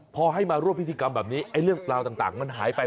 พอให้มาร่วมพิธีกรรมแบบนี้ไอ้เรื่องราวต่างมันหายไป